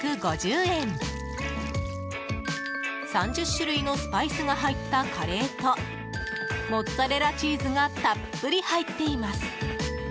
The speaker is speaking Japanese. ３０種類のスパイスが入ったカレーとモッツァレラチーズがたっぷり入っています。